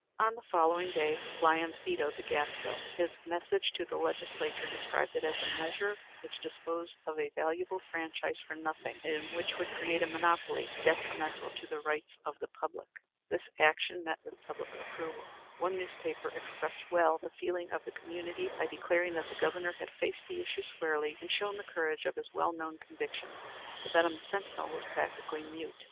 On the following day Lyons vetoed the gas bill. His message to the Legislature described it as a measure which disposed of a valuable franchise for nothing, and which would create a monopoly detrimental to the rights of the public. This action met with much public approval. One newspaper expressed well the feeling of the community by declaring that the Governor had faced the issue squarely and shown the courage of his well known convictions. The Benham Sentinel was practically mute.